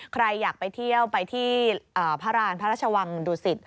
ใครอยากไปเที่ยวไปที่พระราณพระราชวังดุสิต